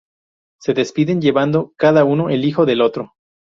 Se despiden llevando cada uno el hijo del otro.